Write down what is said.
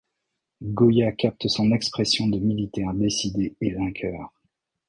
Goya capte son expression de militaire décidé et vainqueur.